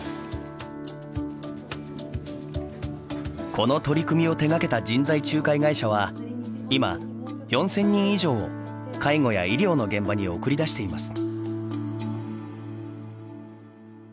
この取り組みを手がけた人材仲介会社は今、４０００人以上を介護や医療の現場に送り出しています。